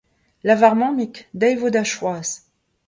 Lavar mammig, dezhi e vo da choaz